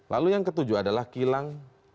lalu yang ketujuh adalah kilang